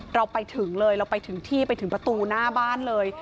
เราไปถึงเลยเราไปถึงที่ไปถึงประตูหน้าบ้านเลย